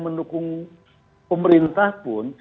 mendukung pemerintah pun